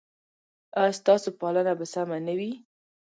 ایا ستاسو پالنه به سمه نه وي؟